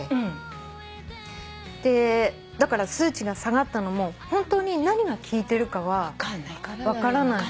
だから数値が下がったのも本当に何が効いてるかは分からない。